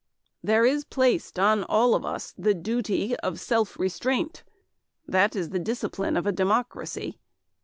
"There is placed on all of us the duty of self restraint. ... That is the discipline of a democracy.